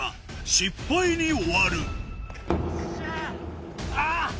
失敗に終わるあぁ！